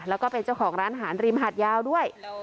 แล้วก็เป็นเจ้าของร้านอาหารริมหาดยาวด้วย